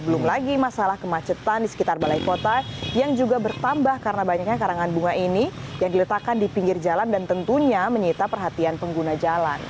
belum lagi masalah kemacetan di sekitar balai kota yang juga bertambah karena banyaknya karangan bunga ini yang diletakkan di pinggir jalan dan tentunya menyita perhatian pengguna jalan